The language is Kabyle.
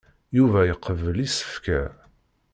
Yuba iqebbel isefka.